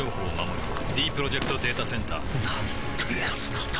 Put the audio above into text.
ディープロジェクト・データセンターなんてやつなんだ